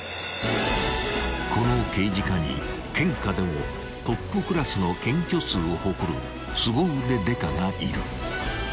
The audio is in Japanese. ［この刑事課に県下でもトップクラスの検挙数を誇るスゴ腕刑事がいる］